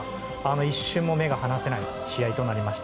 一瞬も目が離せない試合となりました。